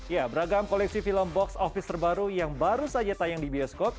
ya beragam koleksi film box office terbaru yang baru saja tayang di bioskop